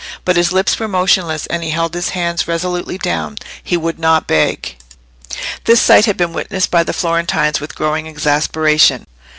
But his lips were motionless, and he held his hands resolutely down. He would not beg. This sight had been witnessed by the Florentines with growing exasperation.